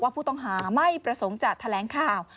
ผู้ต้องหาไม่ประสงค์จะแถลงข่าว